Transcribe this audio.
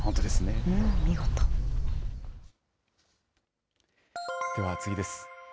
では次です。